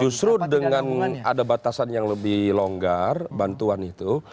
justru dengan ada batasan yang lebih longgar bantuan itu